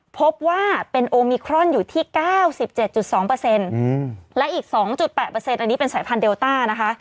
พบว่าเป็นโอมิครอนอยู่ที่๙๗๒และอีก๒๘อันนี้เป็นสายพันธุเดลต้านะคะ